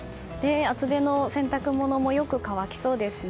厚手の洗濯物もよく乾きそうですね。